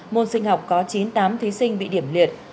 môn sinh học có chín mươi tám thí sinh bị điểm liệt